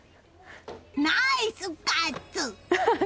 ナイスガッツ！